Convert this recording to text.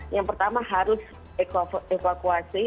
yang pertama harus evakuasi